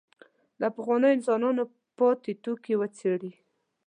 له پخوانیو انسانانو پاتې توکي وڅېړي.